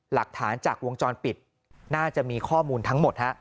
หลักฐานจากวงจรปิดน่าจะมีข้อมูลทั้งหมดฮะ